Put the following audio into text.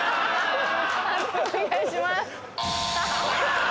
判定お願いします。